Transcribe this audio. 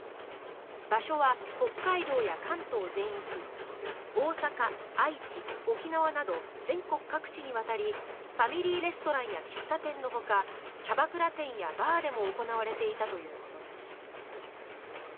場所は北海道や関東全域大阪、愛知、沖縄など全国各地にわたりファミリーレストランや喫茶店のほかキャバクラ店やバーでも行われていたということです。